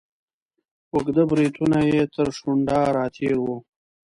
اوږده بریتونه یې تر شونډو را تیر وه.